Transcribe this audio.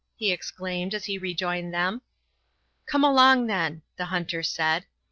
he exclaimed, as he rejoined them. "Come along, then," the hunter said.